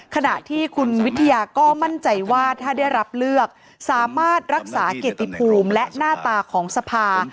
ขณะที่คุณวิทยาก็มั่นใจว่าถ้าได้รับเลือกสามารถรักษาเกียรติภูมิและหน้าตาของสภา